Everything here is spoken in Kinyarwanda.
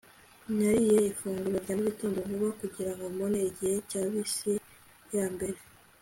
nariye ifunguro rya mugitondo vuba kugirango mbone igihe cya bisi yambere